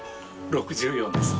６４です。